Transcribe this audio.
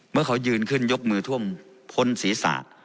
เมื่อเขายืนขึ้นยกมือท่วมพ้นศีรษะ